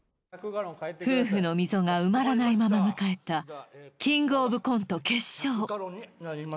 夫婦の溝が埋まらないまま迎えた「キングオブコント」決勝